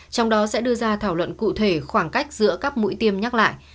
trong đó sẽ đưa ra thảo luận cụ thể khoảng cách giữa các mũi tiêm nhắc lại